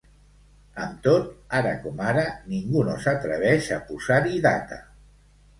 Amb tot, ara com ara ningú no s’atreveix a posar-hi data.